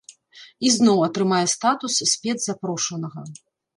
І зноў атрымае статус спецзапрошанага.